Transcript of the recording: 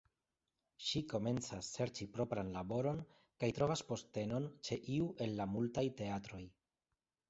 Ŝi komencas serĉi propran laboron kaj trovas postenon ĉe iu el la multaj teatroj.